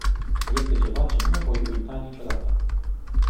Este ceva ce nu voi uita niciodată.